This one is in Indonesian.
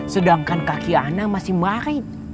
sedangkan kaki ana masih marahib